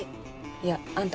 いやあんた